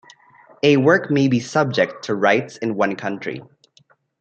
A work may be subject to rights in one country